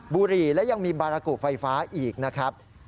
บุรีและยังมีบารากุไฟฟ้าอีกนะครับ